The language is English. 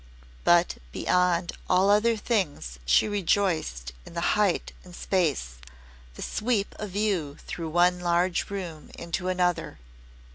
But beyond all other things she rejoiced in the height and space, the sweep of view through one large room into another.